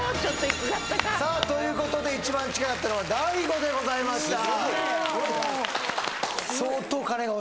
さあということで一番近かったのは大悟でございました